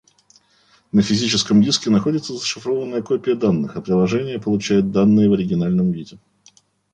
На физическом диске находится зашифрованная копия данных, а приложения получают данные в оригинальном виде